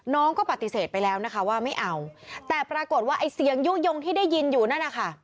น้องก็ปฏิเสธไปแล้วนะคะว่าไม่เอาแต่ปรากฏว่าไอ้เสียงยุโยงที่ได้ยินอยู่นั่นนะคะ